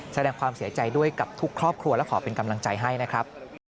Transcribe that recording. แสดงความเสียใจด้วยกับทุกครอบครัวและขอเป็นกำลังใจให้นะครับ